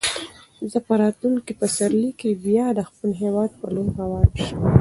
زه به په راتلونکي پسرلي کې بیا د خپل هیواد په لور روان شم.